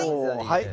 はい。